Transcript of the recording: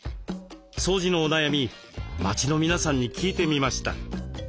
掃除のお悩み街の皆さんに聞いてみました。